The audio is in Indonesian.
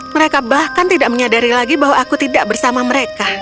mereka bahkan tidak menyadari lagi bahwa aku tidak bersama mereka